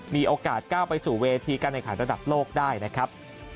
มีโอกาสก้าวไปสู่เวทีการแข่งขันระดับโลกได้นะครับ